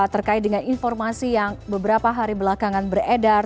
terkait dengan informasi yang beberapa hari belakangan beredar